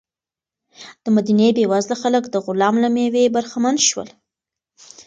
د مدینې بېوزله خلک د غلام له مېوې برخمن شول.